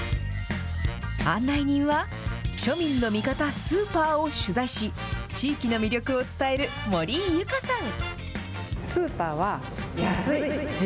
案内人は庶民の味方、スーパーを取材し、地域の魅力を伝える森井ユカさん。